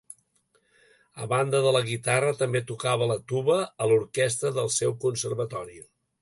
A banda de la guitarra també tocava la tuba a l'orquestra del seu conservatori.